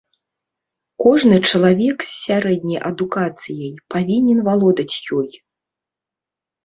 Кожны чалавек з сярэдняй адукацыяй павінен валодаць ёй.